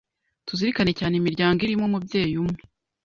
Tuzirikane cyane imiryango irimo umubyeyi umwe